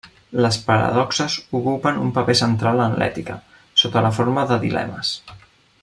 Les paradoxes ocupen un paper central en l'ètica, sota la forma de dilemes.